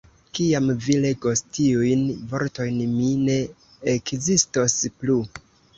Kiam vi legos tiujn vortojn, mi ne ekzistos plu.